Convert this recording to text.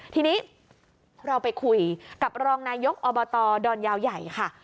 ทีนี้เราไปคุยกับรองนายกอบตดอนยาวใหญ่ค่ะ